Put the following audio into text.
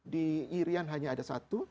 di irian hanya ada satu